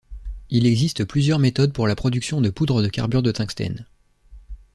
Il existe plusieurs méthodes pour la production de poudres de carbure de tungstène.